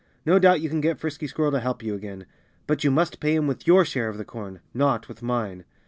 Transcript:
No doubt you can get Frisky Squirrel to help you again. But you must pay him with your share of the corn not with mine."